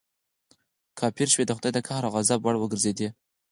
کافر شوې د خدای د قهر او غضب وړ وګرځېدې.